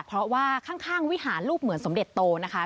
เพราะว่าข้างวิหารรูปเหมือนสมเด็จโตนะคะ